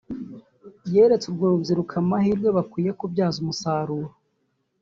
yeretse urwo rubyiruko amahirwe bakwiye kubyaza umusaruro